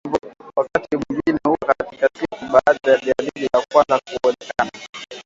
wakati mwingine huwa kati ya siku baada ya dalili za kwanza kuonekana